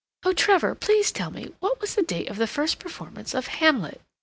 "Oh, Trevor, please tell me, what was the date of the first performance of 'Hamlet'?"